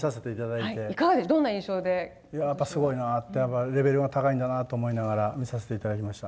いやあやっぱすごいなあってやっぱレベルが高いんだなあと思いながら見させて頂きました。